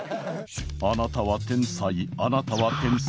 あなたは天才あなたは天才。